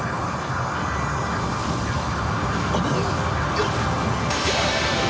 あっ！